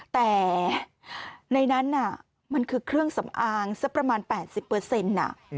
แต่ในนั้นน่ะมันคือเครื่องสำอางสักประมาณ๘๐